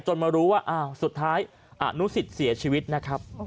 มารู้ว่าอ้าวสุดท้ายอนุสิตเสียชีวิตนะครับ